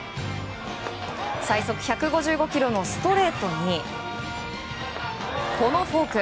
最速１５５キロのストレートにこのフォーク。